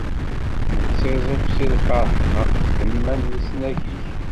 Nettiẓẓif si lferḥ ɣef ddemma n leslak-ik.